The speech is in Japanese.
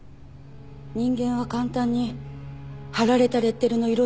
人間は簡単に貼られたレッテルの色に染まるの。